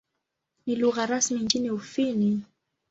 Ni lugha rasmi nchini Ufini.